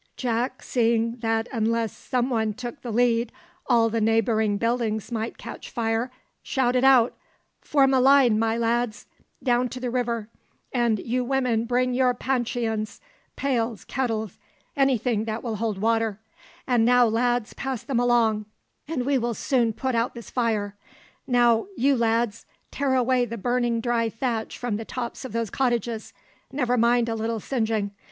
Jack, seeing that unless some one took the lead all the neighbouring buildings might catch fire, shouted out, "Form a line, my lads, down to the river, and you women bring your `pancheons,' pails, kettles, any thing that will hold water; and now, lads, pass them along, and we will soon put out this fire. Now, you lads, tear away the burning dry thatch from the tops of those cottages; never mind a little singeing.